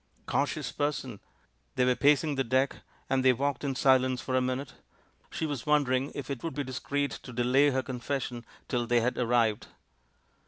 "Cautious person!" They were pacing the deck, and they walked in silence for a minute. She was wondering if it would be discreet to de lay her confession till they had arrived.